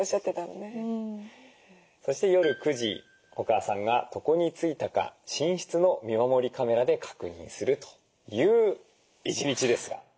そして夜９時お母さんが床についたか寝室の見守りカメラで確認するという一日ですが。